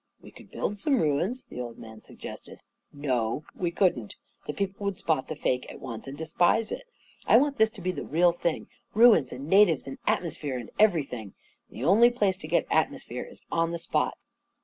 " We could build some ruins," the old man sug gested "Np we couldn't — the people would spot the fake at once, and despise it. I want this to be the real thing — ruins and natives and atmosphere and everything. And the only place to get atmosphere is on the spot.